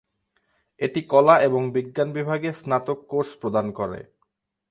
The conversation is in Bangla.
এটি কলা এবং বিজ্ঞান বিভাগে স্নাতক কোর্স প্রদান করে।